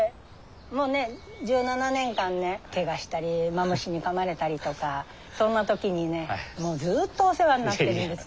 もうね１７年間ねケガしたりマムシにかまれたりとかそんな時にねもうずっとお世話になってるんです。